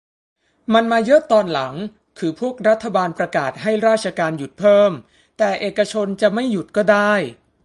มันมาเยอะตอนหลังคือพวกรัฐบาลประกาศให้ราชการหยุดเพิ่ม แต่เอกชนจะไม่หยุดก็ได้